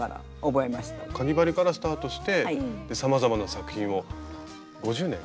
かぎ針からスタートしてさまざまな作品を５０年。